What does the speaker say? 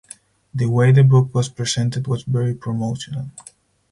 The way the book was presented was very promotional.